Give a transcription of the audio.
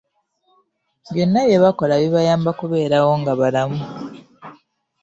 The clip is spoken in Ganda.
Byonna bye bakola bibayamba kubeerawo nga balamu.